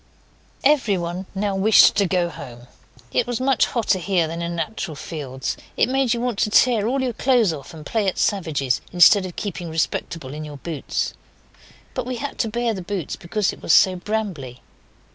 Everyone now wished to go home. It was much hotter there than in natural fields. It made you want to tear all your clothes off and play at savages, instead of keeping respectable in your boots. But we had to bear the boots because it was so brambly.